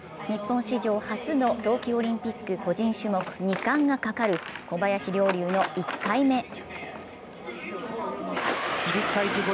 日本史上初の冬季オリンピック個人種目２冠がかかる小林陵侑の１回目。